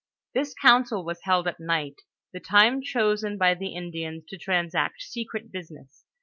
This council was held at night, the time chosen by the In dians to transact secret business.